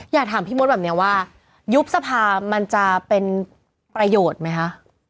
อยากถามพี่มดแบบนี้ว่ายุบสภามันจะเป็นประโยชน์ไหมคะ